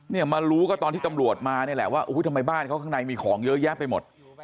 เนี่ยมารู้ก็ตอนที่ตำรวจมานี่แหละว่าอุ้ยทำไมบ้านเขาข้างในมีของเยอะแยะไปหมด